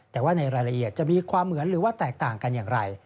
แต่ว่าในรายละเอียดจะมีความเหมือนหรือว่าแตกต่างกันอย่างไร